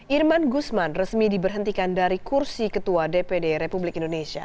irman gusman resmi diberhentikan dari kursi ketua dpd republik indonesia